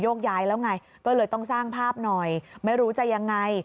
ย้ายแล้วไงก็เลยต้องสร้างภาพหน่อยไม่รู้จะยังไง